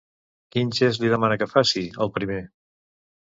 Quin gest li demana que faci, el primer?